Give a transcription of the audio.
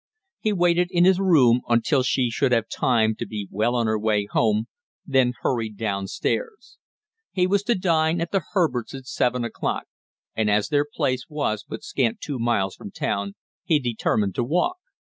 He waited in his room until she should have time to be well on her way home, then hurried down stairs. He was to dine at the Herberts' at seven o'clock, and as their place was but scant two miles from town, he determined to walk.